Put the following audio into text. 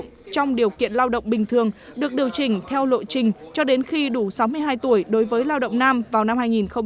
người lao động trong điều kiện lao động bình thường được điều chỉnh theo lộ trình cho đến khi đủ sáu mươi hai tuổi đối với lao động nam vào năm hai nghìn hai mươi tám